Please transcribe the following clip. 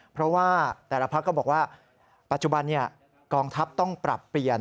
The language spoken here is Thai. เพราะว่าแต่ละพักก็บอกว่าปัจจุบันนี้กองทัพต้องปรับเปลี่ยน